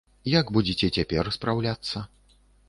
Як будзеце цяпер спраўляцца?